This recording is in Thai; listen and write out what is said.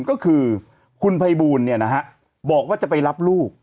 ก็คือคุณภัยบูรณ์เนี่ยนะฮะบอกว่าจะไปรับลูก